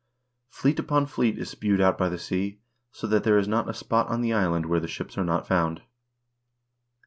Fleet upon fleet is spewed out by the sea, so that there is not a spot in the island where their ships are not found.